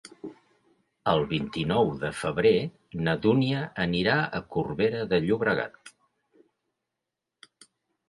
El vint-i-nou de febrer na Dúnia anirà a Corbera de Llobregat.